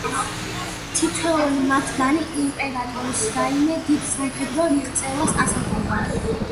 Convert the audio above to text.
თითოეული მათგანი იმპერატორის რაიმე დიდ სამხედრო მიღწევას ასახავდა.